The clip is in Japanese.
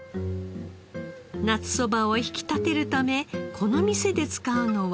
夏そばを引き立てるためこの店で使うのは。